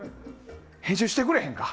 編集してくれへんか？